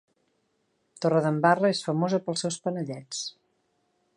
Torredembarra és famosa pels seus panellets.